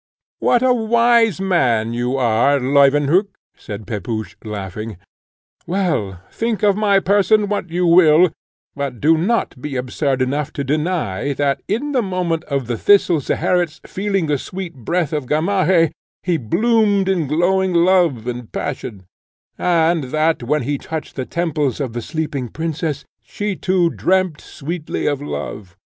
"What a wise man you are, Leuwenhock!" said Pepusch, laughing: "Well, think of my person what you will, but do not be absurd enough to deny that, in the moment of the thistle Zeherit's feeling the sweet breath of Gamaheh, he bloomed in glowing love and passion; and that, when he touched the temples of the sleeping princess, she too dreamt sweetly of love.